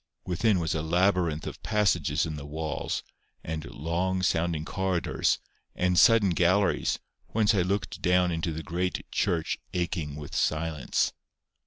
Within was a labyrinth of passages in the walls, and "long sounding corridors," and sudden galleries, whence I looked down into the great church aching with silence.